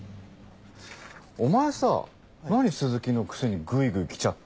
お前さ何鈴木のくせにグイグイ来ちゃってんの？